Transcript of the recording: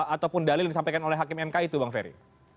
ataupun dalil yang disampaikan oleh hakim mk itu bang ferry